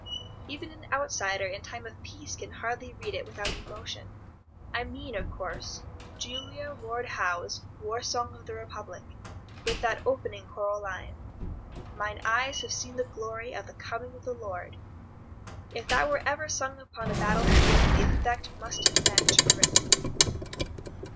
Even an outsider in time of peace can hardly read it without emotion. I mean, of course, Julia Ward Howe's "War Song of the Republic," with the choral opening line: "Mine eyes have seen the glory of the coming of the Lord." If that were ever sung upon a battle field the effect must have been terrific.